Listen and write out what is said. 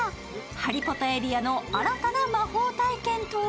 ハリポタエリアの新たな魔法体験とは？